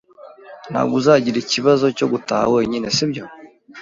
Ntabwo uzagira ikibazo cyo gutaha wenyine, sibyo?